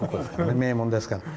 名門ですから。